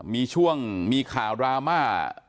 มีช่วงมีข่าวดราม่า